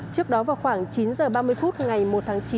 trước đó vào khoảng chín h ba mươi phút ngày một tháng chín